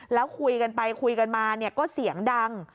แล้วคุยกันไปคุยกันมาก็เสียงดัง